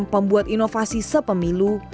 pembuat inovasi sepemilu